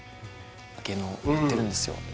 「芸能やってるんですよ」